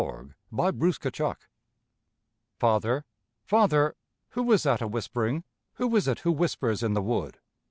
NIGHT VOICES Father, father, who is that a whispering? Who is it who whispers in the wood?